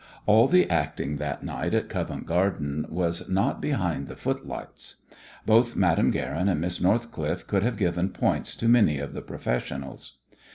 All the acting that night at Covent Garden was not behind the footlights. Both Madame Guerin and Miss Northcliffe could have given points to many of the professionals.